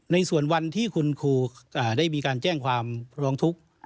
ในส่วนวันที่คุณครูได้มีการแจ้งความร้องทุกข์